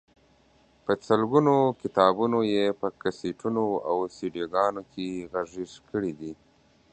په سلګونو کتابونه یې په کیسټونو او سیډيګانو کې غږیز کړي دي.